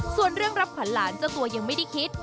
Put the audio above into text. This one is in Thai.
ส่วนเรื่องรับขวัญหลานเจ้าตัวยังไม่ได้คิด